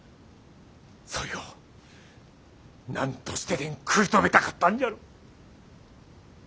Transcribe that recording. そいをなんとしてでん食い止めたかったんじゃろ。